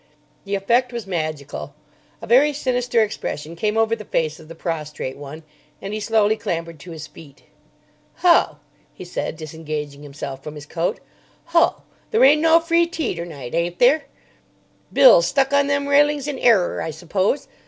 The effect was magical. A very sinister expression came over the face of the prostrate one, and he slowly clambered to his feet. "Ho!" he said, disengaging himself from his coat. "Ho. There ain't no free tea ternight, ain't there? Bills stuck on them railings in errer, I suppose.